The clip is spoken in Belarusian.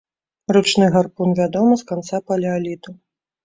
Ручны гарпун вядомы з канца палеаліту.